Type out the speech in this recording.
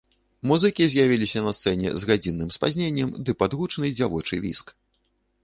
Музыкі з'явіліся на сцэне з гадзінным спазненнем ды пад гучны дзявочы віск.